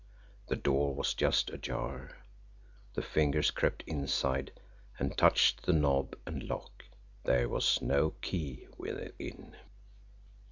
The door was just ajar. The fingers crept inside and touched the knob and lock there was no key within.